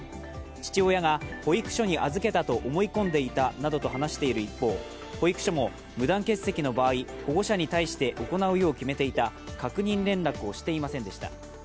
父親が、保育所に預けたと思い込んでいたなどと話している一方保育所も、無断欠席の場合保護者に対して行うよう決めていた確認連絡をしていませんでした。